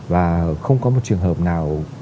và không có một trường hợp nào